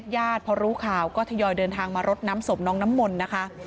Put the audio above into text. พอรู้ข่าวก็ทยอยเดินทางมารดน้ำศพน้องน้ำมนต์นะคะ